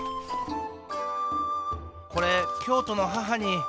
これ京都の母に。